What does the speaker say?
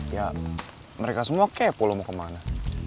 ya mereka semua kepo lo mau kemana